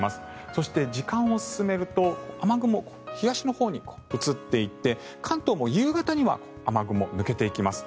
そして時間を進めると雨雲、東のほうに移っていって関東も夕方には雨雲、抜けていきます。